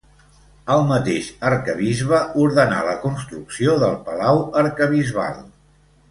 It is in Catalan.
El mateix arquebisbe ordenà la construcció del palau arquebisbal.